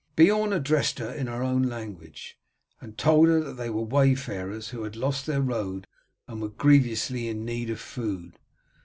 Beorn addressed her in her own language, and told her that they were wayfarers who had lost their road and were grievously in need of food.